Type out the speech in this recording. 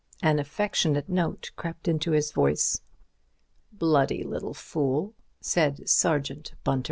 An affectionate note crept into his voice. "Bloody little fool!" said Sergeant Bunter.